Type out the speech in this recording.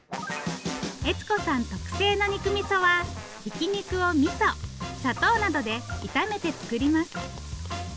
悦子さん特製の肉みそはひき肉をみそ砂糖などで炒めて作ります。